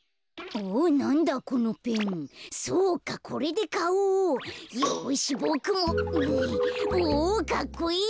おかっこいい！